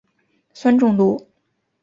酸中毒。